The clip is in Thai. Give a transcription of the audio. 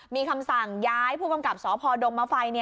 มีคำสั่งย้ายผู้กำกับสพดงมไฟ